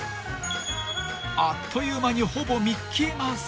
［あっという間に］